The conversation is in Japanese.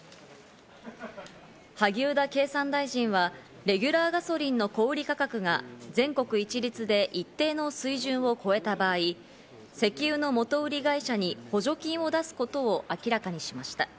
萩生田経産大臣はレギュラーガソリンの小売価格が全国一律で一定の水準を超えた場合、石油の元売り会社に補助金を出すことを明らかにしました。